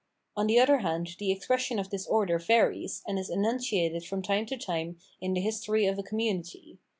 On the other hand the expression of this order varies, and is enunciated from time to time in the history of a community.